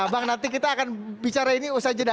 bang nanti kita akan bicara ini usai jeda